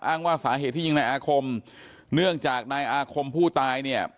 ว่าสาเหตุที่ยิงในอาคมเนื่องจากนายอาคมผู้ตายเนี่ย